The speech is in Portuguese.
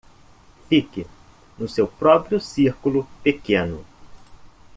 Fique no seu próprio círculo pequeno